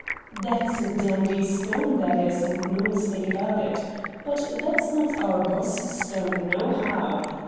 ' That's a dandy stone, that is, and no mistake about it. But that's not our boss stone nohow.